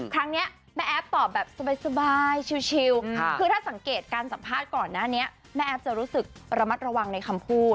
ครั้งนี้แม่แอฟตอบแบบสบายชิวคือถ้าสังเกตการสัมภาษณ์ก่อนหน้านี้แม่แอฟจะรู้สึกระมัดระวังในคำพูด